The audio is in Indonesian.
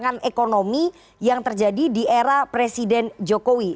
dengan ekonomi yang terjadi di era presiden jokowi